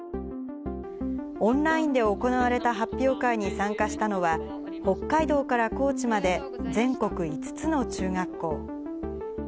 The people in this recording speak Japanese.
オンラインで行われた発表会に参加したのは、北海道から高知まで全国５つの中学校。